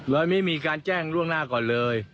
แล้วไม่มีการแจ้งงงหน้าก่อนเลย